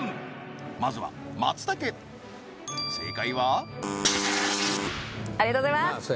まずは松茸正解はありがとうございます